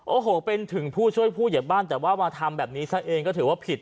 โอ้โหเป็นถึงผู้ช่วยผู้เหยียบบ้านแต่ว่ามาทำแบบนี้ซะเองก็ถือว่าผิด